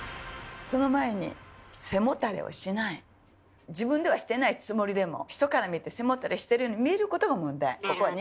その前に自分ではしてないつもりでも人から見て背もたれしてるように見えることが問題。